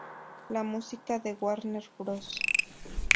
La música de Warner Bros.